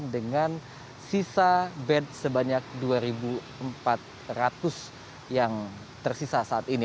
dengan sisa bed sebanyak dua empat ratus yang tersisa saat ini